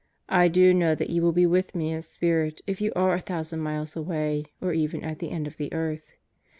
I do know that you will be with me in spirit if you are a thousand miles away or even at the end of the earth.